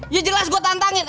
ya jelas gue nantangin